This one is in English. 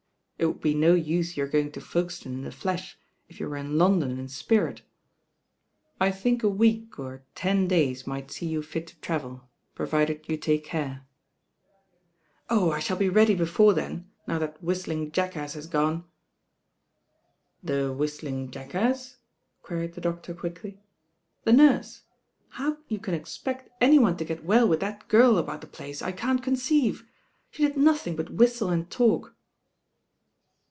It would be no use your going to Folkestone in the Besh, if you were in London in the spirit. I think a week or ten days might see you fit to travel, provided you take care." LOST DAYS AND THE DOCTOR 61 •;OhI I ,haU be ready before then, now that whisthng.jackass has gone." "The whistling jackass?" queried the doctor quickly. "The nurse. How you can expect any one to get well with that girl about the place, I can't conceive. obe did nothing but whistle and talk."